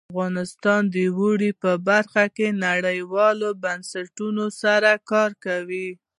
افغانستان د اوړي په برخه کې نړیوالو بنسټونو سره کار کوي.